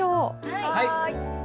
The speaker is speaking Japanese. はい。